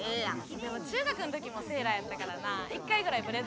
でも中学ん時もセーラーやったからな一回ぐらいブレザー着たかったよ。